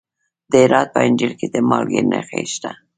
د هرات په انجیل کې د مالګې نښې شته.